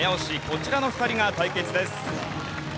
こちらの２人が対決です。